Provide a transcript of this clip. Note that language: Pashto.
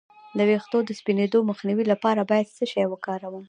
د ویښتو د سپینیدو مخنیوي لپاره باید څه شی وکاروم؟